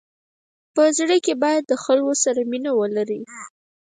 په زړه کي باید د خلکو سره مینه ولری.